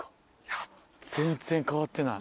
全然変わってない。